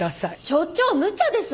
所長むちゃです！